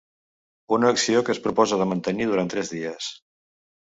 Una acció que es proposa de mantenir durant tres dies.